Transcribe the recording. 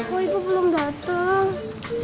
pak kok ibu belum dateng